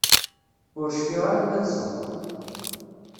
Ur cfiɣ ara anda tzedɣeḍ.